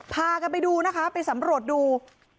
พากันไปดูนะคะไปสำรวจดู